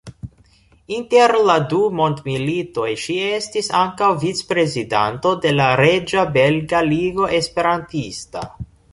Inter la du mondmilitoj ŝi estis ankaŭ vicprezidanto de la Reĝa Belga Ligo Esperantista.